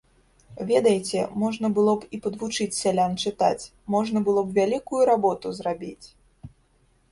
Ведаеце, можна было б і падвучыць сялян чытаць, можна было б вялікую работу зрабіць.